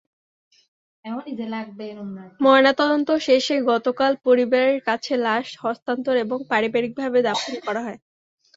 ময়নাতদন্ত শেষে গতকাল পরিবারের কাছে লাশ হস্তান্তর এবং পারিবারিকভাবে দাফন করা হয়।